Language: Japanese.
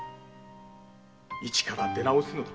一から出直すのだ